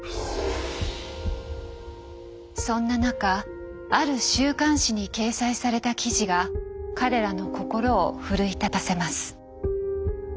そんな中ある週刊誌に掲載された記事が彼らの心を奮い立たせます。